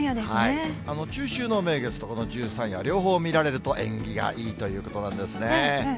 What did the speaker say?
中秋の名月とこの十三夜、両方見られると縁起がいいということなんですね。